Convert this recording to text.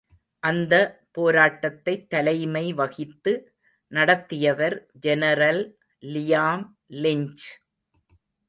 அந்த போராட்டத்தைத் தலைமை வகித்து நடத்தியவர் ஜெனரல் லியாம் லிஞ்ச்